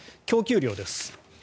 供給量です。